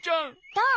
どう？